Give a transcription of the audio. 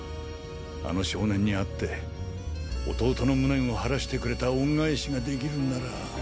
あの少年に会って弟の無念を晴らしてくれた恩返しができるんなら。